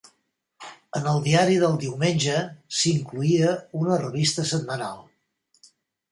En el diari del diumenge s'incloïa una revista setmanal.